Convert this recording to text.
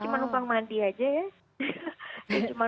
cuma numpang mandi aja ya